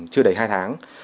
chưa đầy hai tháng